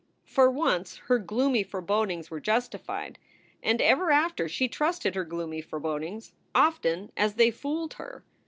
For once, her gloomy forebodings were justified. And ever after she trusted her gloomy forebodings, often as they fooled her.